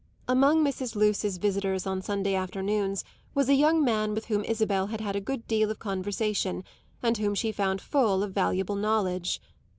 Among Mrs. Luce's visitors on Sunday afternoons was a young man with whom Isabel had had a good deal of conversation and whom she found full of valuable knowledge.